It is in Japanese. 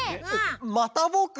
またぼく？